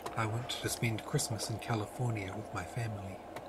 I want to spend Christmas in California with my family.